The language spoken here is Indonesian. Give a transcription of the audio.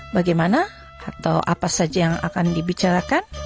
bagaimana atau apa saja yang akan dibicarakan